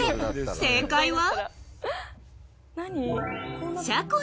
［正解は？］